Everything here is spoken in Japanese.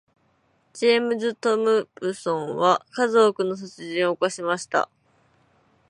ジェームズトムプソンは数多くの殺人を犯しました。